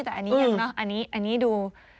แต่อันนี้ยังเนอะอันนี้ดู